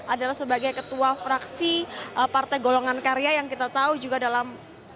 adalah sebagai ketua fraksi partai golongan karya yang kita tahu juga dalam